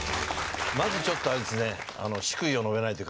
まずちょっとあれですね。